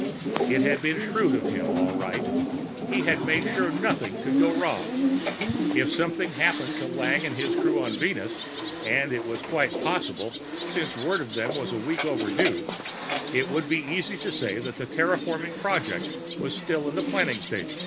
It had been shrewd of him, all right. He had made sure nothing could go wrong. If something happened to Lang and his crew on Venus and it was quite possible, since word from them was a week overdue it would be easy to say that the terraforming project was still in the planning stage.